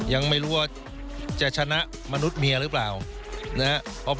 ยังไม่รู้ว่าจะชนะมนุษย์เมียหรือเปล่านะครับ